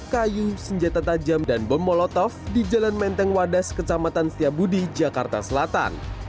kayu senjata tajam dan bom molotov di jalan menteng wadas kecamatan setiabudi jakarta selatan